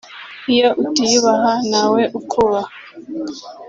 iyo utiyubaha ntawe ukubaha